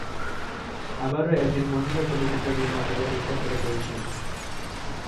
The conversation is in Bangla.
আবারো একজন মহিলা চলচ্চিত্র নির্মাতার বিষয়ে তারা বলছে।